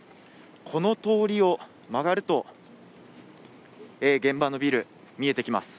この通りを曲がると、現場のビル、見えてきます。